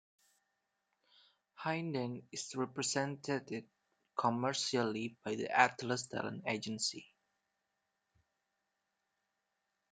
Hynden is represented commercially by the Atlas Talent Agency.